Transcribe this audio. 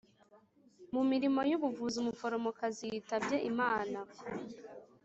Mu mirimo yubuvuzi umuforomokazi yitabye Imana